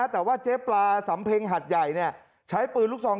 ที่จะทำให้อยู่กัน